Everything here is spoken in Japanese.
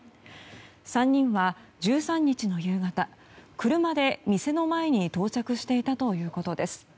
３人は１３日の夕方車で店の前に到着していたということです。